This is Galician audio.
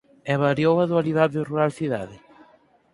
E variou a dualidade rural-cidade?